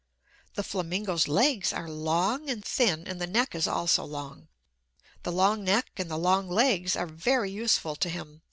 The flamingo's legs are long and thin, and the neck is also long. The long neck and the long legs are very useful to him.